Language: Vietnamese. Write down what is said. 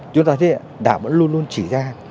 chúng ta thấy đảng vẫn luôn luôn chỉ ra